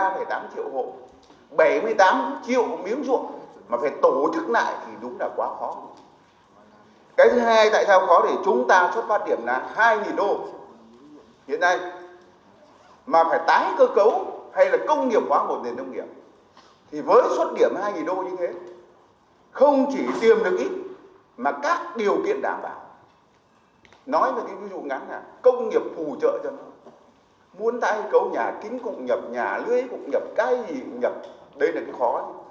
mà các điều kiện đáng bảo nói về cái ví dụ ngắn là công nghiệp phù trợ cho nông nghiệp muôn tay cấu nhà kính cục nhập nhà lưới cục nhập cái gì cũng nhập đây là cái khó